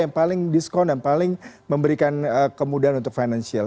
yang paling diskon dan paling memberikan kemudahan untuk financial